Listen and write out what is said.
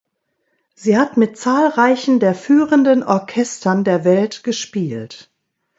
Sie hat mit zahlreichen der führenden Orchestern der Welt gespielt.